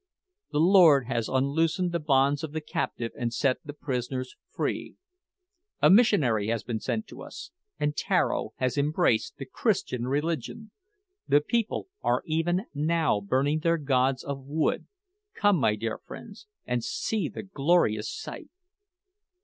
The Lord has unloosed the bonds of the captive, and set the prisoners free. A missionary has been sent to us, and Tararo has embraced the Christian religion! The people are even now burning their gods of wood! Come, my dear friends, and see the glorious sight!"